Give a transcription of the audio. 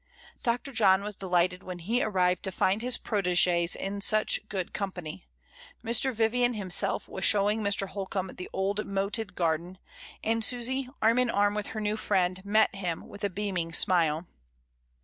Dr. John was delighted when he arrived to find his proteges in such good company. Mr. Vivian himself was showing Mr. Holcombe the old moated garden; and Susy, arm in arm with her new friend, met him with a beaming smile.